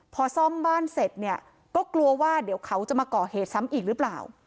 พอซ่อมบ้านเสร็จเนี่ยก็กลัวว่าเดี๋ยวเขาจะมาก่อเหตุซ้ำอีกหรือเปล่า